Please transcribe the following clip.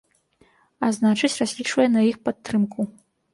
А значыць, разлічвае на іх падтрымку.